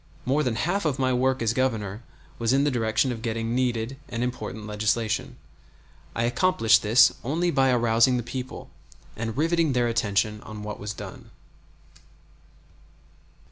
More than half of my work as Governor was in the direction of getting needed and important legislation. I accomplished this only by arousing the people, and riveting their attention on what was done.